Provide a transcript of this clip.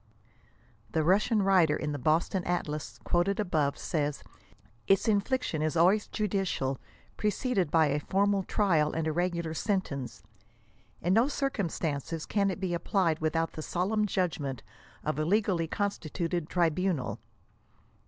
The Russian writer in the Boston Atlas, quoted above, says, " its infliction is always judicial, preceded by a formal trial and regular 93 sentence. In no circumstances can it be applied without the solemn judgment of a legally constituted tribunal."